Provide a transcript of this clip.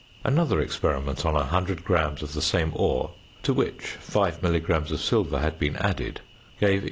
Another experiment on 100 grams of the same ore to which 5 milligrams of silver had been added gave 11.